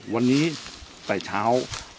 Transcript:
วันนี้แต่เช้า